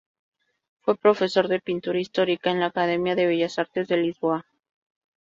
Fue profesor de pintura histórica en la Academia de Bellas Artes de Lisboa.